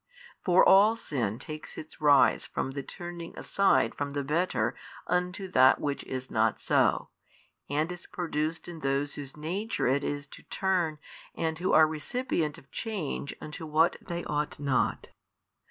For all sin takes its rise from the turning aside from the better unto that which is not so, and is produced in those whose nature it is to turn and who are recipient of change unto what they ought not.